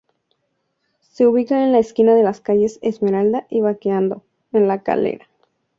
Se ubica en la esquina de las calles Esmeralda y Baquedano, en La Calera.